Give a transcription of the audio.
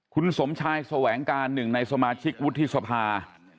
คุณสมชายสวังกาล๑ในสมาชิกวุฒิษภา